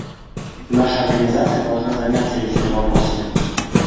Наша Организация должна заняться этими вопросами.